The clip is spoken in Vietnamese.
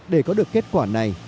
để có được kết quả này